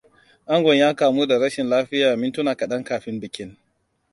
Angon ya kamu da rashin lafiya mintuna kaɗan kafin bikin.